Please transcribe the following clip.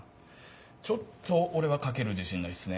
ちょっと俺は書ける自信ないっすね。